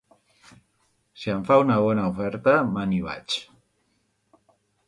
Si em fan una bona oferta, me n'hi vaig.